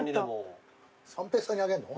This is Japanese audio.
三平さんにあげんの？